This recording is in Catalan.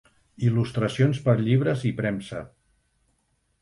Il·lustracions per llibres i premsa.